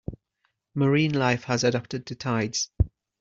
Marine life has adapted to tides.